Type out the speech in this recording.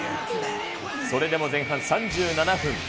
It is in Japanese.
それでも前半３７分。